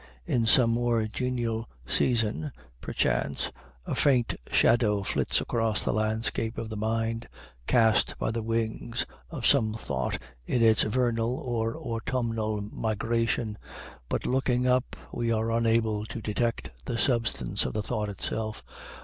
In some more genial season, perchance, a faint shadow flits across the landscape of the mind, cast by the wings of some thought in its vernal or autumnal migration, but, looking up, we are unable to detect the substance of the thought itself.